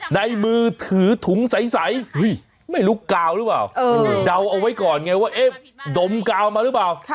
ในมือถือถุงใสไม่รู้กาวหรือเปล่าเดาเอาไว้ก่อนไงว่าเอ๊ะดมกาวมาหรือเปล่า